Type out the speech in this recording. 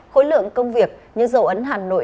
khối lượng công việc như dầu ấn hà nội